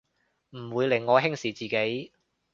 唔會令我輕視自己